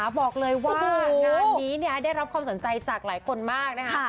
บอกเลยว่างานนี้ได้รับความสนใจจากหลายคนมากนะคะ